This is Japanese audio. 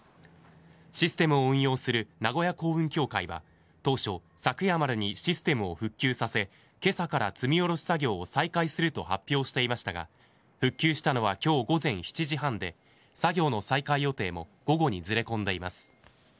システムを運用する名古屋港運協会は当初昨夜までにシステムを復旧させ今朝から積み下ろし作業を再開すると発表していましたが復旧したのは今日午前７時半で作業の再開予定も午後にずれ込んでいます。